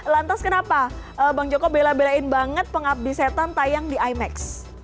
lantas kenapa bang joko bela belain banget pengabdi setan tayang di imax